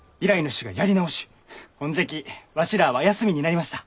ほんじゃきわしらあは休みになりました。